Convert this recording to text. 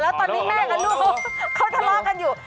แล้วตอนนี้แม่กับลูกเขาทะเลาะกันอยู่